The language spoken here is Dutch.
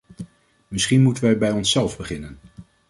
Misschien moeten wij bij onszelf beginnen.